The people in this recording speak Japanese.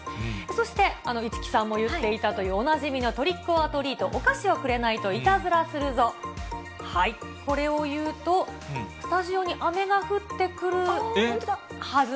そして、市來さんも言っていたというおなじみなトリック・オア・トリート、お菓子をくれないといたずらするぞ、これを言うと、スタジオにあめが降ってくるはず。